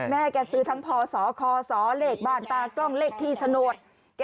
แม่แกซื้อทั้งพศคสเลขบ้านตากล้องเลขที่โฉนด๗